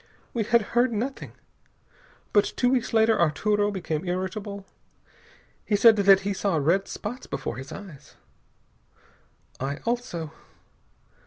We had heard nothing. But two weeks later Arturo became irritable. He said that he saw red spots before his eyes. I also.